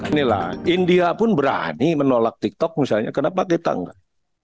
inilah india pun berani menolak tiktok misalnya kenapa kita enggak